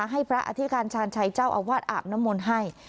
ให้พระอธิการชาญชัยเจ้าอาวาสอาบน้ำมนต์ให้